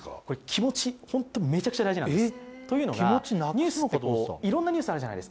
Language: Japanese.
気持ちめちゃくちゃ大事なんです。